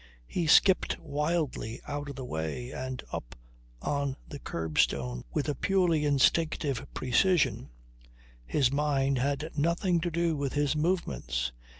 He skipped wildly out of the way and up on the curbstone with a purely instinctive precision; his mind had nothing to do with his movements.